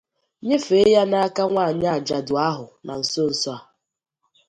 nyefèé ya n'aka nwaanyị àjàdụ ahụ na nsonso a